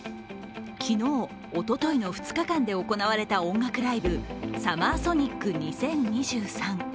昨日、おとといの２日間で行われた音楽ライブＳＵＭＭＥＲＳＯＮＩＣ２０２３。